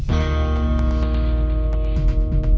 terima kasih out